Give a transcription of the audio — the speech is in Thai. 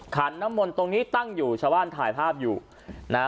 ขันน้ำมนต์ตรงนี้ตั้งอยู่ชาวบ้านถ่ายภาพอยู่นะฮะ